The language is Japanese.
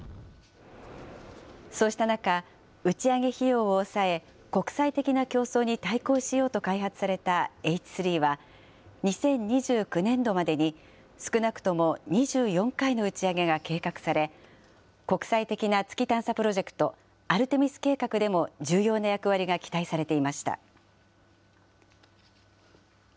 そうした中、打ち上げ費用を抑え、国際的な競争に対抗しようと開発されたＨ３は、２０２９年度までに、少なくとも２４回の打ち上げが計画され、国際的な月探査プロジェクト、アルテミス計画でも重要な役割が期待されていました。